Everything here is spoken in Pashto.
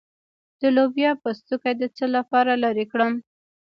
د لوبیا پوستکی د څه لپاره لرې کړم؟